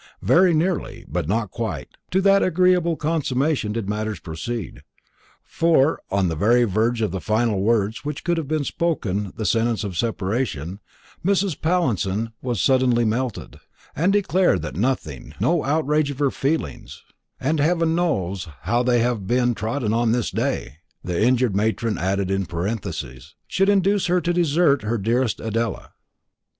Very nearly, but not quite, to that agreeable consummation did matters proceed; for, on the very verge of the final words which could have spoken the sentence of separation, Mrs. Pallinson was suddenly melted, and declared that nothing, no outrage of her feelings "and heaven knows how they have been trodden on this day," the injured matron added in parenthesis should induce her to desert her dearest Adela.